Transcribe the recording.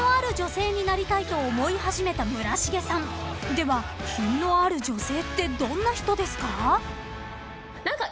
［では品のある女性ってどんな人ですか？］